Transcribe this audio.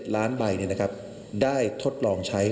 ล้านใบได้ทดลองใช้